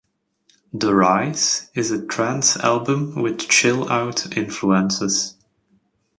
"The Rise" is a trance album with chill out influences.